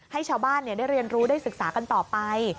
ให้ชาวบ้านได้เรียนรู้ได้ศึกษากันต่อไป